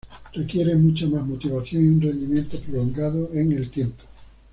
Requiere mucha más motivación y un rendimiento prolongado en el tiempo.